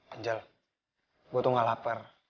ganjel gue tuh gak lapar